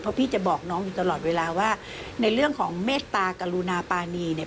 เพราะพี่จะบอกน้องอยู่ตลอดเวลาว่าในเรื่องของเมตตากรุณาปานีเนี่ย